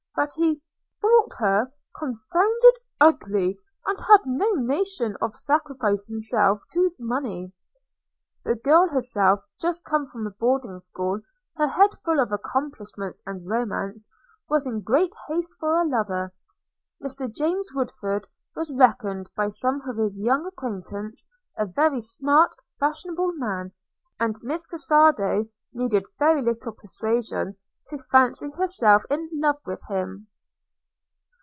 But he 'thought her confounded ugly, and had no notion of sacrificing himself to money.' The girl herself, just come from a boarding school, her head full of accomplishments and romance, was in great haste for a lover. Mr James Woodford was reckoned, by some of his young acquaintance, a very smart, fashionable man; and Miss Cassado needed very little persuasion to fancy herself in love with him.